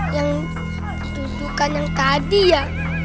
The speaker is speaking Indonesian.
yang dudukan yang tadi ya